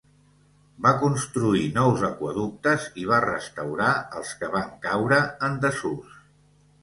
Va construir nous aqüeductes i va restaurar els que van caure en desús.